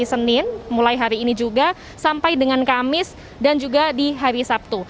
senin mulai hari ini juga sampai dengan kamis dan juga di hari sabtu